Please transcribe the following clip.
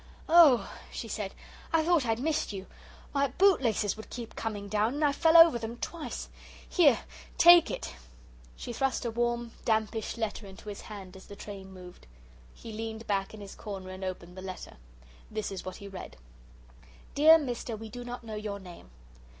"Oh," she said, "I thought I'd missed you. My bootlaces would keep coming down and I fell over them twice. Here, take it." She thrust a warm, dampish letter into his hand as the train moved. He leaned back in his corner and opened the letter. This is what he read: "Dear Mr. We do not know your name.